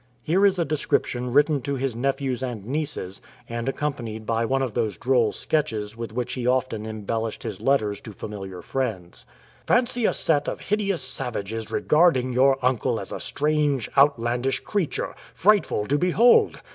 Here is a description 120 CURIOUS SAVAGES written to his nephews and nieces, and accompanied by one of those droll sketches with which he often embel lished his letters to familiar friends :—" Fancy a set of hideous savages regarding your uncle as a strange, outlandish creature, frightful to behold!